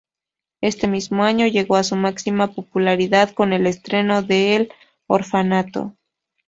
Este mismo año, llegó a su máxima popularidad con el estreno de El Orfanato.